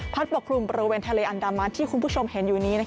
ปกคลุมบริเวณทะเลอันดามันที่คุณผู้ชมเห็นอยู่นี้